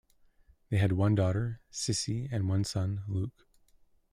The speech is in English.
They had one daughter, Cissy, and one son, Luke.